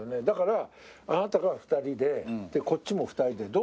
だからあなたが２人でこっちも２人で。